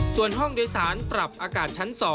ส่วนห้องโดยสารปรับอากาศชั้น๒